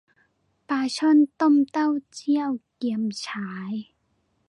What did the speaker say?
ปลาช่อนต้มเต้าเจี้ยวเกี่ยมฉ่าย